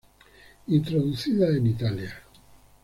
Introducida en Italia.